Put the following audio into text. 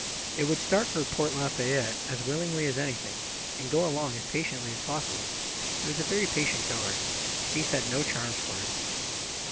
It would start for Port Lafayette as willingly as anything, and go along as patiently as possible. It was a very patient goer. Haste had no charms for it.